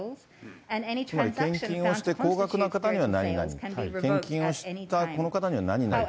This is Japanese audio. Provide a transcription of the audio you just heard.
つまり献金をして高額な方には何々、献金をしたこの方には何々。